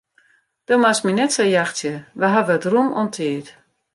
Do moatst my net sa jachtsje, we hawwe it rûm oan tiid.